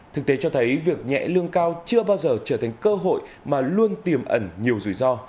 thực tế cho thấy việc nhẹ lương cao chưa bao giờ trở thành cơ hội mà luôn tiềm ẩn nhiều rủi ro